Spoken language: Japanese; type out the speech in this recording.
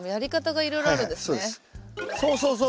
そうそうそう。